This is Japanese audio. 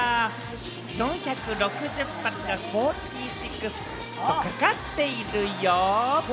４６０発が４６にかかっているよ。